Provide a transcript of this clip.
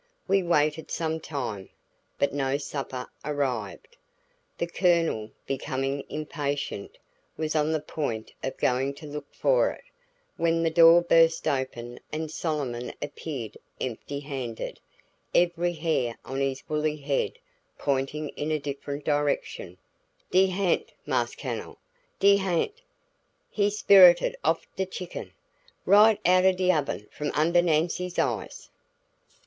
We waited some time but no supper arrived. The Colonel, becoming impatient, was on the point of going to look for it, when the door burst open and Solomon appeared empty handed, every hair on his woolly head pointing a different direction. "De ha'nt, Marse Cunnel, de ha'nt! He's sperrited off de chicken. Right outen de oven from under Nancy's eyes."